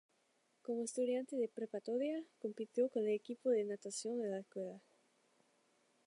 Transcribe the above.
Como estudiante de preparatoria, compitió con el equipo de natación de la escuela.